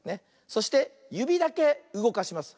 そしてゆびだけうごかします。